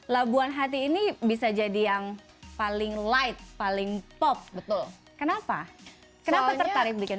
labuan hati ini bisa jadi yang paling light paling pop betul kenapa kenapa tertarik bikin